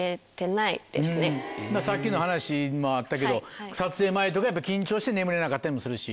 さっきの話にもあったけど撮影前とかやっぱ緊張して眠れなかったりもするし。